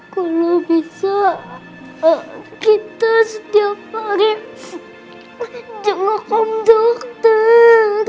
kalo bisa kita setiap hari jenguk om dokter